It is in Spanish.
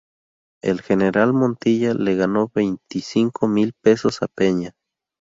El general Montilla le ganó veinticinco mil pesos a Peña.